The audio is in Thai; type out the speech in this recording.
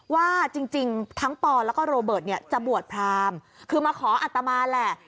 ว่าจริงทั้งปอแล้วก็โรเบิร์ตเนี่ยจะบวชพรามคือมาขออัตมาแหละ